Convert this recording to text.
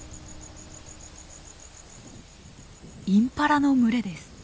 インパラの群れです。